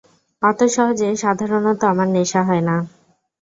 অত সহজে সাধারণত আমার নেশা হয় না।